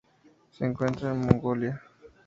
Se encuentra en Mongolia.